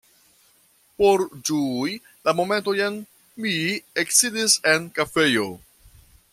Por ĝui la momentojn mi eksidis en kafejo.